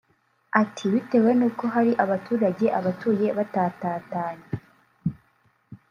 Ati”Bitewe n’uko hari abaturage abatuye batatatanye